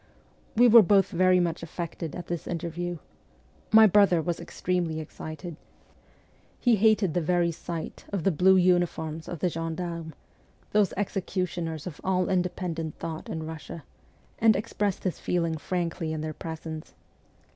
We were both very much affected at this interview. My brother was extremely excited. He hated the very t 2 148 MEMOIRS OF A REVOLUTIONIST sight of the blue uniforms of the gendarmes those executioners of all independent thought in Russia and expressed his feeling frankly in their presence.